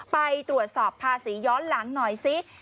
ไปตรวจสอบภาษีย้อนหลังหน่อยซิ